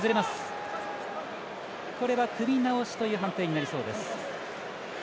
これは組み直しという判定になりそうです。